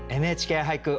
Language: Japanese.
「ＮＨＫ俳句」